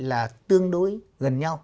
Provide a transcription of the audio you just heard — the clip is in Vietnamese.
là tương đối gần nhau